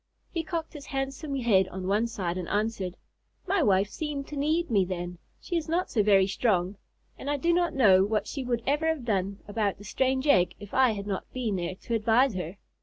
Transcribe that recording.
He cocked his handsome head on one side and answered: "My wife seemed to need me then. She is not so very strong. And I do not know what she would ever have done about the strange egg, if I had not been there to advise her."